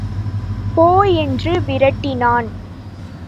போ என்று விரட்டினான்.